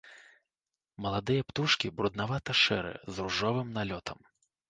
Маладыя птушкі бруднавата-шэрыя, з ружовым налётам.